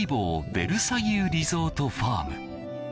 ヴェルサイユリゾートファーム。